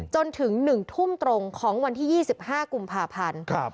จนถึง๑ทุ่มตรงของวันที่๒๕กุมภาพันธ์